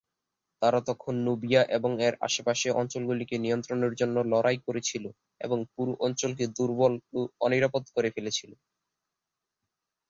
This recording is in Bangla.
তারা তখন নুবিয়া এবং এর আশেপাশের অঞ্চলগুলিকে নিয়ন্ত্রণের জন্য লড়াই করেছিল এবং পুরো অঞ্চলকে দুর্বল ও অনিরাপদ করে ফেলেছিল।